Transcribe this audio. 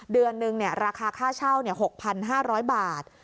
เดือน๑ราคาข้าวเช่า๖๕๐๐บาท